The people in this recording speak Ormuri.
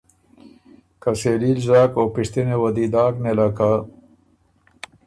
که سېلي ل زاک او پِشتِنه وه دی داک نېله که